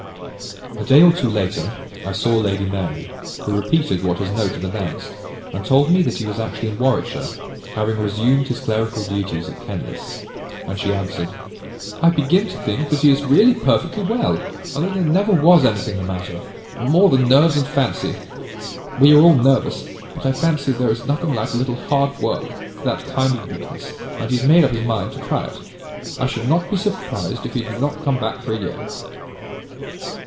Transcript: A day or two later I saw Lady Mary, who repeated what his note had announced, and told me that he was actually in Warwickshire, having resumed his clerical duties at Kenlis; and she added, "I begin to think that he is really perfectly well, and that there never was anything the matter, more than nerves and fancy; we are all nervous, but I fancy there is nothing like a little hard work for that kind of weakness, and he has made up his mind to try it. I should not be surprised if he did not come back for a year."